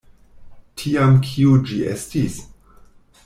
Tiam kio ĝi estis?